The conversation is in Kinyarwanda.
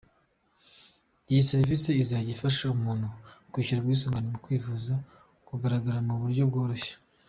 Iyi serivisi izajya afasha umuntu wishyuye ubwisungane mu kwivuza kugararagara mu buryo bworoshye.